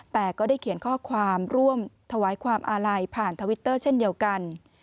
แต่ก็ได้เขียนข้อความร่วมถวายความอาลัยผ่านทวิตเตอร์เช่นเดียวกัน